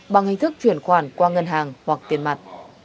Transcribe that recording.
bằng hình thức chuyển khoản qua ngân hàng hoặc tiền mặt